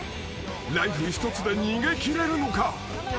［ライフ１つで逃げ切れるのか？］